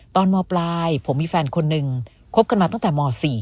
มปลายผมมีแฟนคนหนึ่งคบกันมาตั้งแต่ม๔